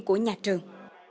của nhà trường